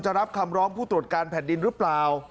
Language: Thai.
รับคำร้องผู้ตรวจการแผ่นดินหรือเปล่า